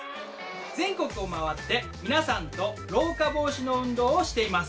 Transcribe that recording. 全国を回って皆さんと老化防止の運動をしています。